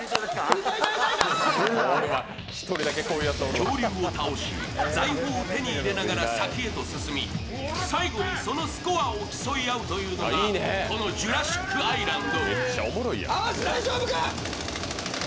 恐竜を倒し、財宝を手に入れながら先へと進み最後に、そのスコアを競い合うというのがこのジュラシックアイランド。